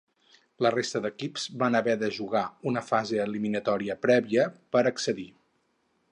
La resta d'equips van haver de jugar una fase eliminatòria prèvia per accedir.